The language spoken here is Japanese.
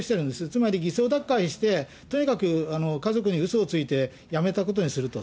つまり偽装脱会して、とにかく家族にうそをついて、辞めたことにすると。